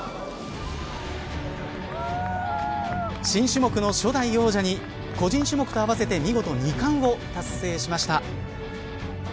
新種目の初代王者に個人種目と合わせて見事、２冠を達成しました。